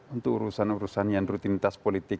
untuk urusan urusan yang rutinitas politik